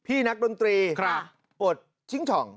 พี่นักดนตรีอดชิงช่อง